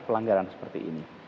pelanggaran seperti ini